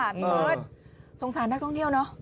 พี่เบิร์ตสงสารนักท่องเที่ยวเนอะ